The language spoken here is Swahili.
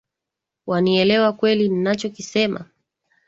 Wanielewa kweli ninachokisema?